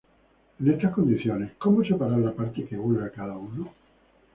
En estas condiciones ¿cómo separar la parte que vuelve a cada uno?.